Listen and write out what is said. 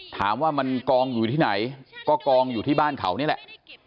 ถามว่ามันกองอยู่ที่ไหนก็กองอยู่ที่บ้านเขานี่แหละ